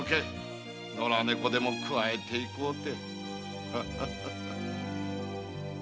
ノラ猫でもくわえて行こうて。